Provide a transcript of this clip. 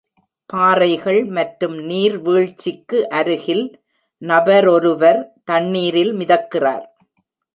பாறைகள் மற்றும் நீர்வீழ்ச்சிக்கு அருகில் நபரொருவர் தண்ணீரில் மிதக்கிறார்.